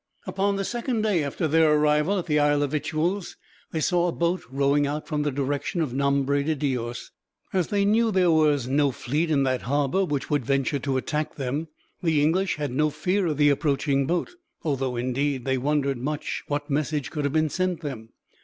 Upon the second day after their arrival at the Isle of Victuals, they saw a boat rowing out from the direction of Nombre de Dios. As they knew that there was no fleet in that harbor which would venture to attack them, the English had no fear of the approaching boat; although, indeed, they wondered much what message could have been sent them.